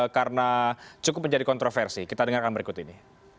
karena cukup menjadi kontroversi kita dengarkan berikut ini